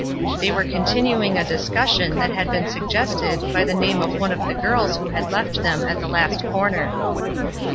They were continuing a discussion that had been suggested by the name of one of the girls who had left them at the last comer.